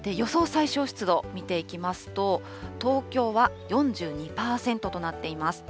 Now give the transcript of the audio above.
最小湿度、見ていきますと、東京は４２％となっています。